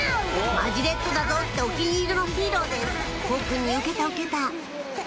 「マジレッドだぞ！」ってお気に入りのヒーローです幸くんにウケたウケた！